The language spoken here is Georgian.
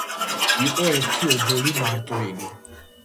იყო ერთი ობოლი მარტვილი.